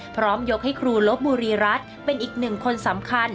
พร้อมยกให้ครูลบบุรีรัฐเป็นอีกหนึ่งคนสำคัญ